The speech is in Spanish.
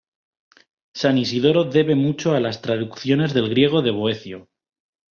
San Isidoro debe mucho a las traducciones del griego de Boecio.